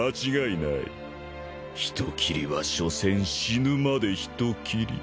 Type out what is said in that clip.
人斬りはしょせん死ぬまで人斬り。